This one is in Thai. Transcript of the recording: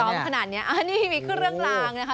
ต้องซ้อมขนาดนี้อันนี้มีขึ้นเรื่องรางนะคะ